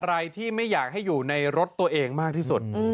อะไรที่ไม่อยากให้อยู่ในรถตัวเองมากที่สุด